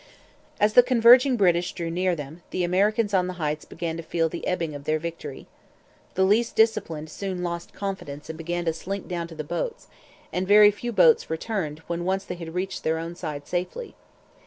As the converging British drew near them, the Americans on the Heights began to feel the ebbing of their victory. The least disciplined soon lost confidence and began to slink down to the boats; and very few boats returned when once they had reached their own side safely.